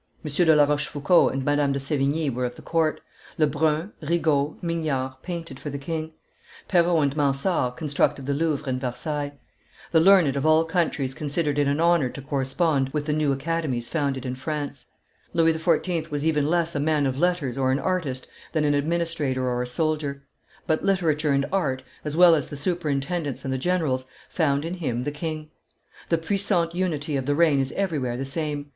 de la Rochefoucauld and Madame de Sevigne were of the court; Lebrun, Rigaud, Mignard, painted for the king; Perrault and Mansard constructed the Louvre and Versailles; the learned of all countries considered it an honor to correspond with the new academies founded in France. Louis XIV. was even less a man of letters or an artist than an administrator or a soldier; but literature and art, as well as the superintendents and the generals, found in him the King. The puissant unity of the reign is everywhere the same.